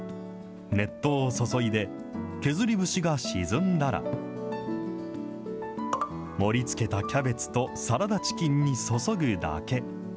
熱湯を注いで、削り節が沈んだら、盛りつけたキャベツと、サラダチキンに注ぐだけ。